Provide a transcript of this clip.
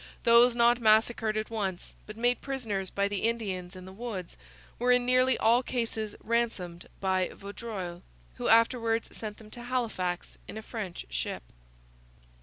Those not massacred at once, but made prisoners by the Indians in the woods, were in nearly all cases ransomed by Vaudreuil, who afterwards sent them to Halifax in a French ship.